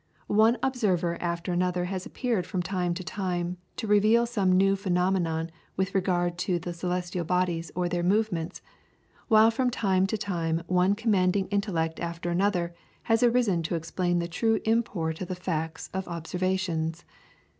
One great observer after another has appeared from time to time, to reveal some new phenomenon with regard to the celestial bodies or their movements, while from time to time one commanding intellect after another has arisen to explain the true import of the facts of observations.